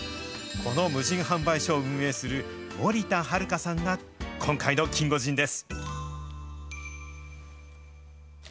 この無人販売所を運営する、森田悠香さんが今回のキンゴジンです。